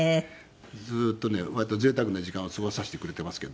ずっとね割と贅沢な時間を過ごさせてくれていますけど。